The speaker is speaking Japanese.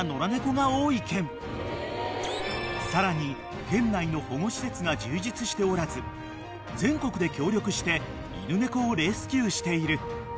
［さらに県内の保護施設が充実しておらず全国で協力して犬猫をレスキューしている］